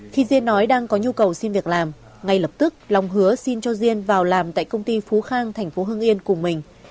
khi diên nói đang có nhu cầu xin việc làm ngay lập tức long hứa xin cho diên vào làm tại công ty phú khang thành phố hưng yên cùng mình